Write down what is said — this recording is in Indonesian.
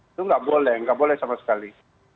itu nggak boleh nggak boleh sama sekali